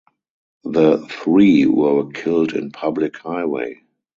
The three were killed in public highway.